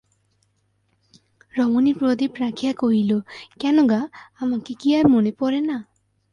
রমণী প্রদীপ রাখিয়া কহিল, কেন গা, আমাকে কি আর মনে পড়ে না।